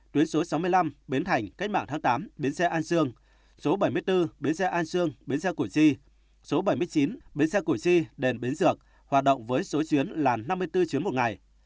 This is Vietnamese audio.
tuyến số sáu mươi năm biến thành cách mạng tháng tám biến xe an sương số bảy mươi bốn biến xe an sương biến xe củ chi số bảy mươi chín biến xe củ chi đến biến dược hoạt động với số chuyến là năm mươi bốn chuyến một ngày